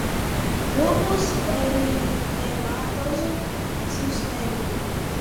Lupus Eritematoso Sistémico